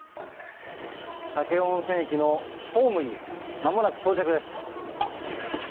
武雄温泉駅のホームにまもなく到着です。